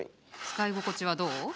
使い心地はどう？